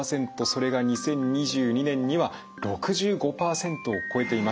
それが２０２２年には６５％を超えています。